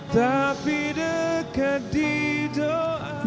tapi dekat di doa